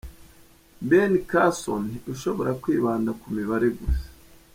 Ben Carson ushobora kwibanda ku mibare gusa.